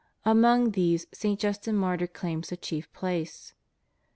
Among these St. Justin Martyr claims the chief place.